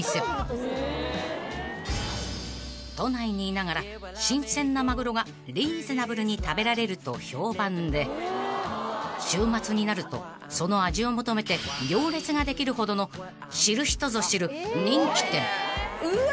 ［都内にいながら新鮮なマグロがリーズナブルに食べられると評判で週末になるとその味を求めて行列ができるほどの知る人ぞ知る人気店］